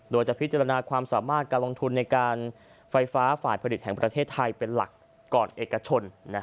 โดยจะพิจารณาความสามารถการลงทุนในการไฟฟ้าฝ่ายผลิตแห่งประเทศไทยเป็นหลักก่อนเอกชน